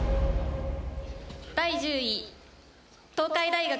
第１０位、東海大学。